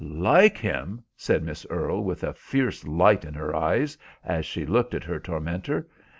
"Like him?" said Miss Earle, with a fierce light in her eyes, as she looked at her tormentor.